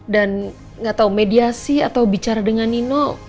dan nggak tahu mediasi atau bicara dengan nino